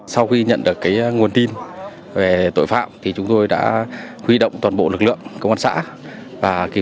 sau khi nhận được cái nguồn tin về